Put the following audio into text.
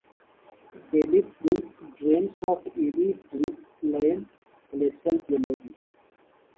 Bailey Brook drains of Erie Drift Plain (glacial geology).